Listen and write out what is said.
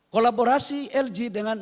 kolaborasi lg dengan